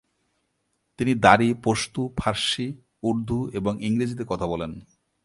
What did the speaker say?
তিনি দারি, পশতু, ফার্সি, উর্দু এবং ইংরেজিতে কথা বলেন।